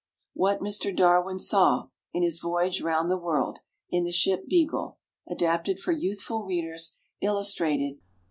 _ WHAT MR. DARWIN SAW In His Voyage Round the World in the Ship "Beagle." ADAPTED FOR YOUTHFUL READERS. Illustrated.